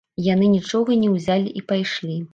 А яны нічога не ўзялі і пайшлі.